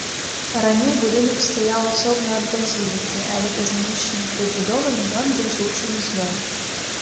Раней будынак стаяў асобна ад базілікі, але пазнейшымі прыбудовамі ён быў злучаны з ёй.